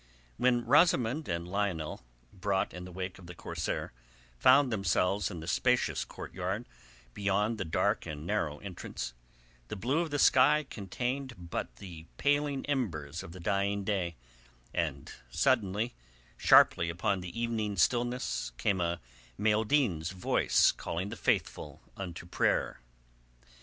When Rosamund and Lionel, brought in the wake of the corsair, found themselves in the spacious courtyard beyond the dark and narrow entrance, the blue of the sky contained but the paling embers of the dying day, and suddenly, sharply upon the evening stillness, came a mueddin's voice calling the faithful unto prayer.